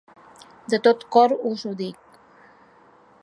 De tot cor us ho dic.